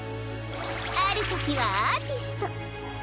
あるときはアーティスト。